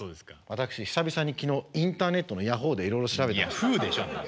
私久々に昨日インターネットのヤホーでいろいろ調べたんですよ。